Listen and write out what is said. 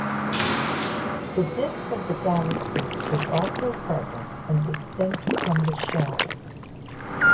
The disk of the galaxy is also present and distinct from the shells.